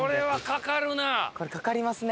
これかかりますね。